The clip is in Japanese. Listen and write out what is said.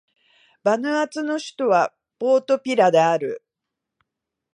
バヌアツの首都はポートビラである